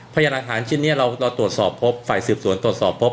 พยานหลักฐานชิ้นนี้เราตรวจสอบพบฝ่ายสืบสวนตรวจสอบพบ